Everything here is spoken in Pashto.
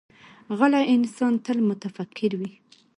غلی انسان، تل متفکر وي.